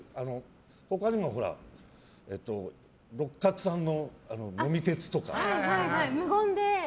他にも六角さんの「飲み鉄」とか。